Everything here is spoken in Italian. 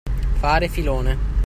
Fare filone.